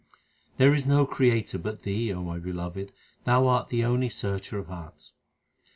There is no Creator but Thee, O my Beloved, Thou art the only Searcher of hearts.